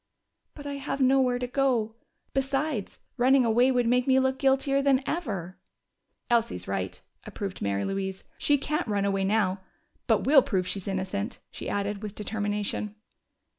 "But I have nowhere to go. Besides, running away would make me look guiltier than ever." "Elsie's right," approved Mary Louise. "She can't run away now. But we'll prove she's innocent!" she added, with determination.